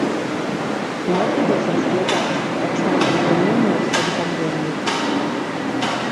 Не будуць разглядаць таксама ананімныя паведамленні.